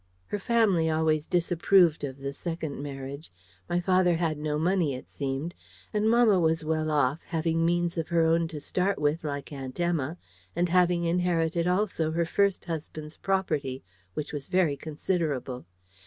Her family always disapproved of the second marriage. My father had no money, it seemed; and mamma was well off, having means of her own to start with, like Aunt Emma, and having inherited also her first husband's property, which was very considerable.